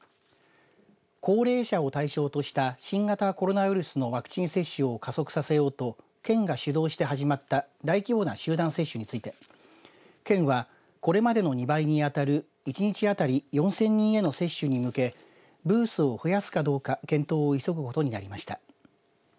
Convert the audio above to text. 高齢者を対象とした新型コロナウイルスのワクチン接種を加速させようと県が主導して始まった大規模な集団接種について県は、これまでの２倍にあたる１日あたり４０００人への接種に向けブースを増やすかどうか検討を急ぐことになりました。